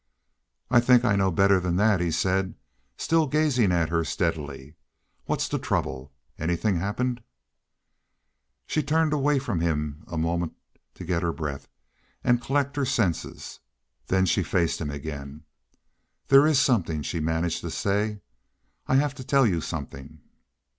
"I think I know better than that," he said, still gazing at her steadily. "What's the trouble? Anything happened?" She turned away from him a moment to get her breath and collect her senses. Then she faced him again. "There is something," she managed to say. "I have to tell you something."